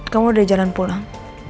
kamu udah jalan pulang